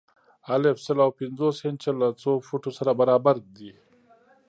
الف: سل او پنځوس انچه له څو فوټو سره برابر دي؟